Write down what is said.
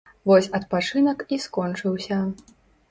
Вось адпачынак і скончыўся.